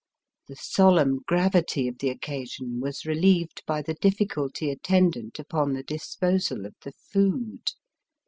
The solenm gravity of the occasion was relieved by the difficulty atten dant upon the disposal of the food.